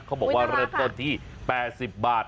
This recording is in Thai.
เขาบอกว่าเริ่มต้นที่๘๐บาท